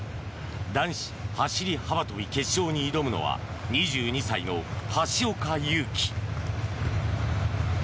男子走幅跳決勝に挑むのは２２歳の橋岡優輝。